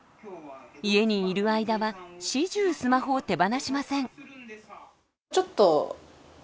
家にいる間は始終スマホを手放しません。